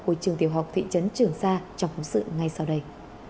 của trường tiểu học thị trấn trường sa trong phóng sự ngay sau đây